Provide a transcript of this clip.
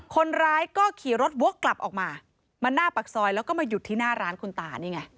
คนร้ายก็ขี่รถวกกลับออกมามาหน้าปากซอยแล้วก็มาหยุดที่หน้าร้านคุณตานี่ไง